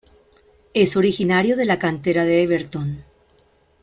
Es originario de la cantera de Everton.